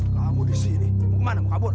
kamu disini mau kemana mau kabur